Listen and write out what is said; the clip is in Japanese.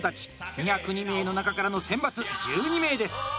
２０２名の中からの選抜１２名です。